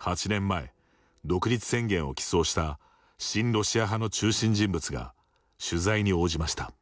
８年前、独立宣言を起草した親ロシア派の中心人物が取材に応じました。